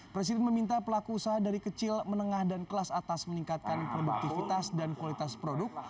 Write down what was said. presiden meminta pelaku usaha dari kecil menengah dan kelas atas meningkatkan produktivitas dan kualitas produk